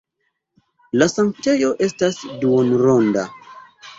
La sanktejo estas duonronda.